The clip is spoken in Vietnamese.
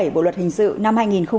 bộ luật hình sự năm hai nghìn một mươi năm